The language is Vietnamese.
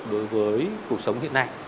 đối với cuộc sống hiện nay